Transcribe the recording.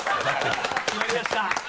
決まりました！